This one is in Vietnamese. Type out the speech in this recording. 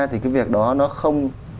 thì cái việc đó nó không